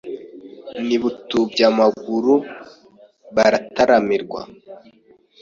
N'i Butubyamaguru baratamarirwa